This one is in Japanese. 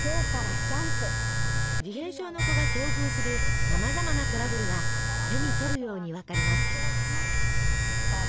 自閉症の子が遭遇するさまざまなトラブルが手に取るように分かります。